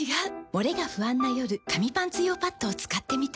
モレが不安な夜紙パンツ用パッドを使ってみた。